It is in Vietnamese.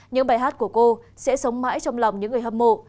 những bài hát của cô sẽ sống mãi trong lòng những người hâm mộ